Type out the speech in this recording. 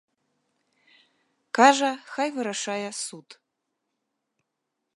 Кажа, хай вырашае суд.